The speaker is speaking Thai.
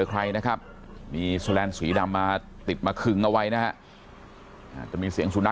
ใครนะครับมีสแรนสีดำมาติดมาคึงเอาไว้นะค่ะจะมีเสียง